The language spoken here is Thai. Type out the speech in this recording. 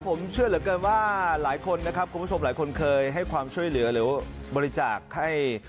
ผมเชื่อเหลือเกินว่าหลายคนนะครับคุณผู้ชมหลายคนเคยให้ความช่วยเหลือหรือบริจาคให้